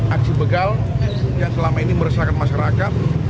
aksi begal yang selama ini meresahkan masyarakat